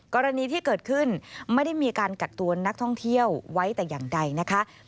กรณีที่เกิดขึ้นไม่ได้มีการกักตัวนักท่องเที่ยวไว้แต่อย่างใดนะคะ